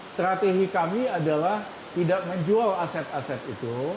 strategi kami adalah tidak menjual aset aset itu